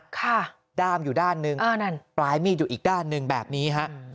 ค่ะด้ามอยู่ด้านหนึ่งอ่านั่นปลายมีดอยู่อีกด้านหนึ่งแบบนี้ฮะ